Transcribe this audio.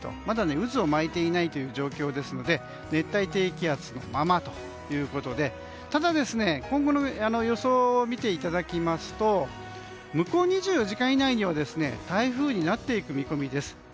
まだ渦を巻いていないという状況ですので熱帯低気圧のままということでただ、今後の予想を見ていただきますと向こう２４時間以内には台風になっていく見込みです。